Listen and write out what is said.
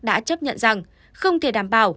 đã chấp nhận rằng không thể đảm bảo